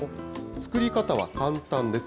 作り方は簡単です。